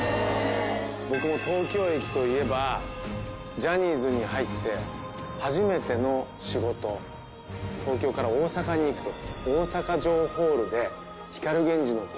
僕も東京駅といえばジャニーズに入って初めての仕事東京から大阪に行くと。